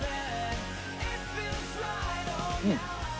うん。